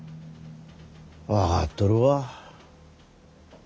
分かっとるわ。